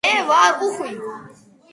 მე ვარ უხვი